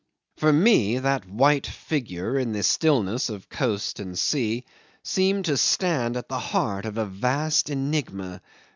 For me that white figure in the stillness of coast and sea seemed to stand at the heart of a vast enigma.